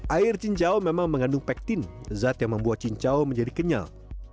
air cincau memang mengandung pektin zat yang membuat cincau menjadi kenyal